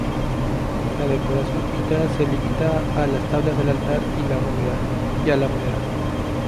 La decoración pintada se limita a las tablas del altar y a la bóveda.